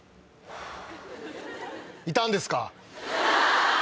いたんですか？